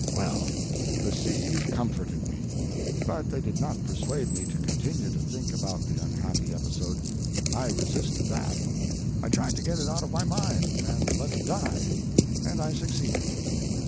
Well, the C.'s comforted me, but they did not persuade me to continue to think about the unhappy episode. I resisted that. I tried to get it out of my mind, and let it die, and I succeeded.